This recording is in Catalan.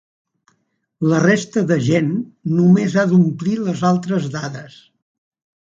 La resta de gent només ha d’omplir les altres dades.